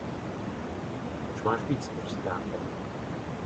Proč máš být sprosťákem?